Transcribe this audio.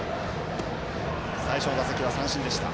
最初の打席は三振でした。